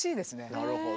なるほど。